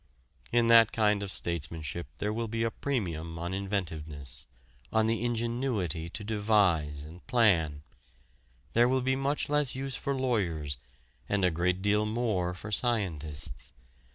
In that kind of statesmanship there will be a premium on inventiveness, on the ingenuity to devise and plan. There will be much less use for lawyers and a great deal more for scientists.